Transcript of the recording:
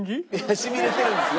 しびれてるんですね。